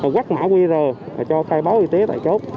quét mã qr cho khai báo y tế tại chốt